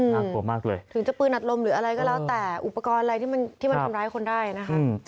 กลัวมากเลยถึงจะปืนอัดลมหรืออะไรก็แล้วแต่อุปกรณ์อะไรที่มันที่มันทำร้ายคนได้นะคะ